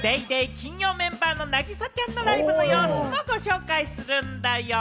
金曜メンバーの凪咲ちゃんのライブの様子もご紹介するんだよ。